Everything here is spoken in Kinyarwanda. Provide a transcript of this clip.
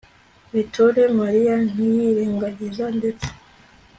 biture mariya ntiyirengagiza, ndetse